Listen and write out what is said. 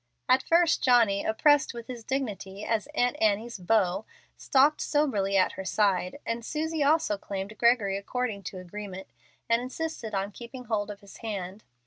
At first Johnny, oppressed with his dignity as Aunt Annie's "beau," stalked soberly at her side, and Susie also claimed Gregory according to agreement, and insisted on keeping hold of his hand.